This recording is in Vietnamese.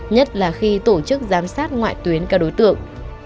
nhất là khi tổ chức giám sát ngoại tuyến các đối tượng